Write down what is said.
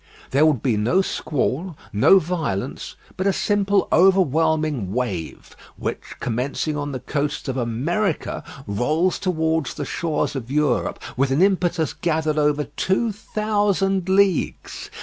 There would be no squall; no violence, but a simple overwhelming wave, which commencing on the coasts of America, rolls towards the shores of Europe with an impetus gathered over two thousand leagues.